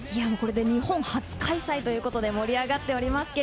日本初開催ということで盛り上がっています。